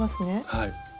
はい。